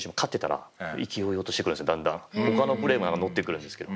ほかのプレーも乗ってくるんですけど